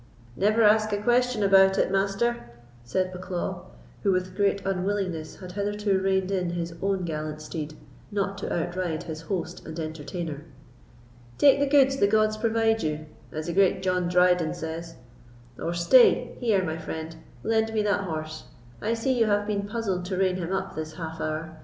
"Never ask a question about it, Master," said Bucklaw, who, with great unwillingness, had hitherto reined in his own gallant steed, not to outride his host and entertainer. "Take the goods the gods provide you, as the great John Dryden says; or stay—here, my friend, lend me that horse; I see you have been puzzled to rein him up this half hour.